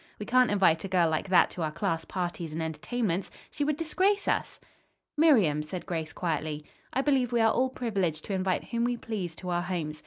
We can't invite a girl like that to our class parties and entertainments. She would disgrace us." "Miriam," said Grace quietly, "I believe we are all privileged to invite whom we please to our homes.